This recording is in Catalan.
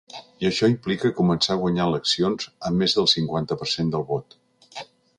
I això implica començar a guanyar eleccions amb més del cinquanta per cent del vot.